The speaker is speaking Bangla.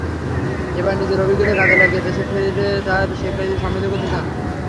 এবার নিজের অভিজ্ঞতা কাজে লাগিয়ে দেশে ফিরে তাঁর শিক্ষার্থীদের সমৃদ্ধ করতে চান।